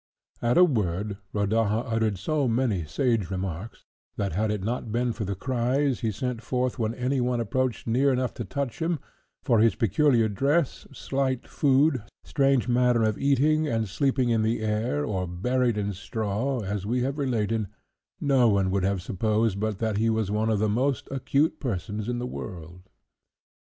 At a word, Rodaja uttered so many sage remarks, that, had it not been for the cries he sent forth when any one approached near enough to touch him, for his peculiar dress, slight food, strange manner of eating, and sleeping in the air, or buried in straw, as we have related, no one could have supposed but that he was one of the most acute persons in the world.